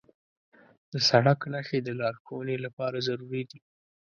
د سړک نښې د لارښوونې لپاره ضروري دي.